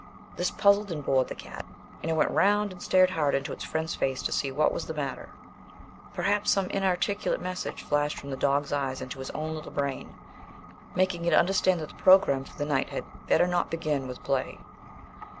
This puzzled and bored the cat, and it went round and stared hard into its friend's face to see what was the matter. Perhaps some inarticulate message flashed from the dog's eyes into its own little brain, making it understand that the program for the night had better not begin with play.